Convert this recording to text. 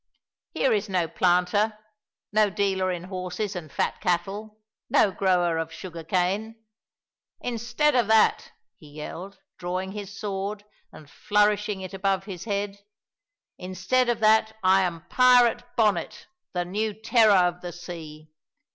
Here is no planter, no dealer in horses and fat cattle, no grower of sugar cane! Instead of that," he yelled, drawing his sword and flourishing it above his head, "instead of that I am pirate Bonnet, the new terror of the sea!